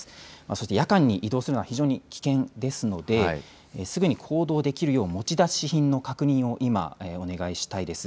そして夜間に移動するのは非常に危険ですので、すぐに行動できるよう持ち出し品の確認を今、お願いしたいです。